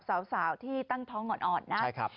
สำหรับสาวที่ตั้งท้องอ่อนนะ